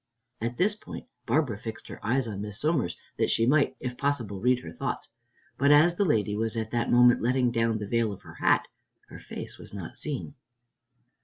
At this point Barbara fixed her eyes on Miss Somers, that she might, if possible, read her thoughts, but as the lady was at that moment letting down the veil of her hat, her face was not seen.